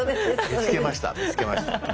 見つけました見つけました。